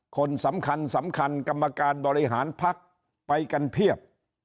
คนสำคัญสำคัญกรรมการบริหารพักไปกันเพียบ